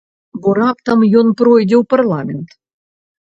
Бо раптам ён пройдзе ў парламент?